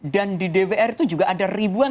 dan di dpr itu juga ada ribuan